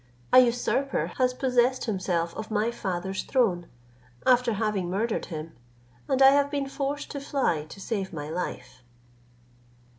An usurper has possessed himself of my father's throne, after having murdered him, and I have been forced to fly to save my life."